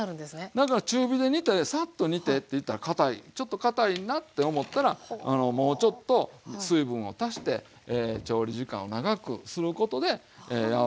だから中火で煮てさっと煮てっていったらかたいちょっとかたいなって思ったらもうちょっと水分を足して調理時間を長くすることで柔らかくもできますよね。